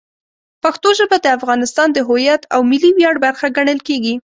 پښتو ژبه د افغانستان د هویت او ملي ویاړ برخه ګڼل کېږي.